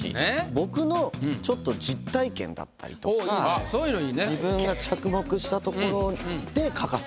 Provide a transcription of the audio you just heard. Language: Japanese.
僕のちょっと実体験だったりとか自分が着目したところで書かせていただきました。